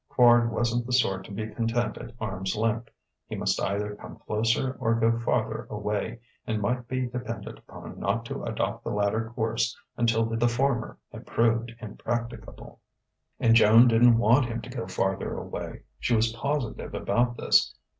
Quard wasn't the sort to be content at arm's length: he must either come closer or go farther away, and might be depended upon not to adopt the latter course until the former had proved impracticable. And Joan didn't want him to go farther away. She was positive about this.